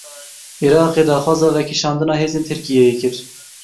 Iraqê daxwaza vekişandina hêzên Tirkiyeyê kir.